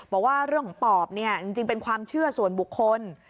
บอกว่าเรื่องของปอบเนี่ยจริงเป็นความเชื่อส่วนบุคคล